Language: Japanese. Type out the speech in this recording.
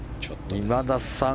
今田さん